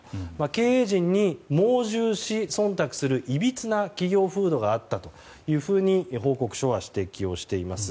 経営陣に盲従し忖度するいびつな企業風土があったと報告書は指摘しています。